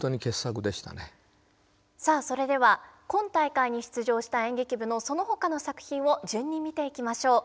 さあそれでは今大会に出場した演劇部のそのほかの作品を順に見ていきましょう。